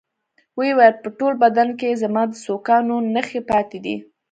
ويې ويل په ټول بدن کښې يې زما د سوکانو نخښې پاتې دي.